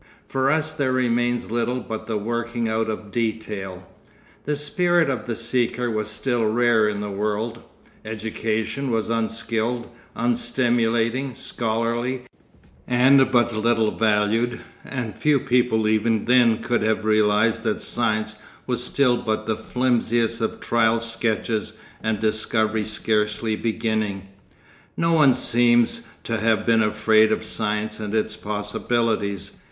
'For us there remains little but the working out of detail.' The spirit of the seeker was still rare in the world; education was unskilled, unstimulating, scholarly, and but little valued, and few people even then could have realised that Science was still but the flimsiest of trial sketches and discovery scarcely beginning. No one seems to have been afraid of science and its possibilities.